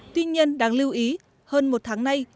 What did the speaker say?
tuy nhiên đáng lưu ý hơn một tháng nay